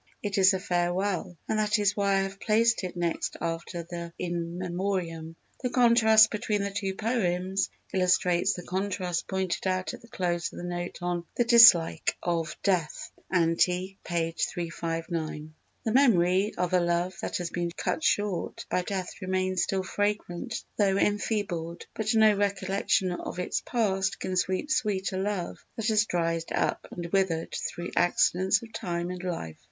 It is a Farewell, and that is why I have placed it next after the In Memoriam. The contrast between the two poems illustrates the contrast pointed out at the close of the note on "The Dislike of Death" (ante, p. 359): "The memory of a love that has been cut short by death remains still fragrant though enfeebled, but no recollection of its past can keep sweet a love that has dried up and withered through accidents of time and life."